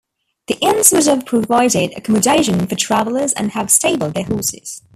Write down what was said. The inns would have provided accommodation for travellers and have stabled their horses.